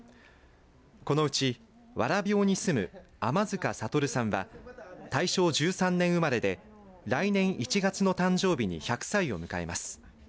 このうち蕨生に住む雨塚悟さんは大正１３年生まれで来年１月の誕生日に１００歳を迎えます。